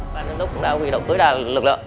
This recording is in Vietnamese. ban giám đốc cũng đã huy động tối đa lực lượng